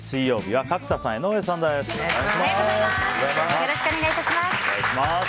水曜日は角田さん、江上さんです。